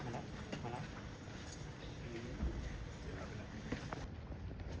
ผมไม่กล้าด้วยผมไม่กล้าด้วยผมไม่กล้าด้วย